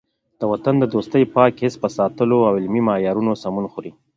د وطن دوستۍ پاک حس په ساتلو او علمي معیارونو سمون خوري.